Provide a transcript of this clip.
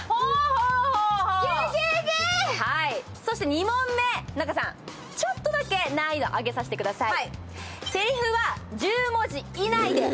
２問目、仲さん、ちょっとだけ難易度を上げさせてください。